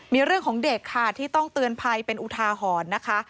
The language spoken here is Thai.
มีเรื่องของเด็กค่ะที่ต้องเตือนภัยเป็นอุทาหรณ์นะคะ